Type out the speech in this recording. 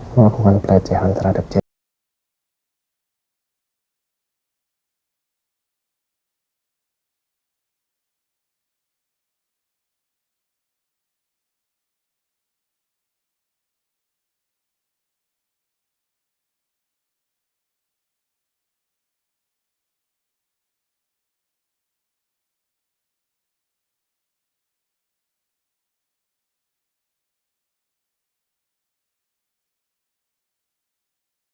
melakukan pelecehan terhadap jenis